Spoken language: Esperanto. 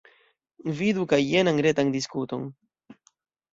Vidu kaj jenan retan diskuton.